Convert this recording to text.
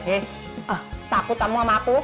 eh takut sama aku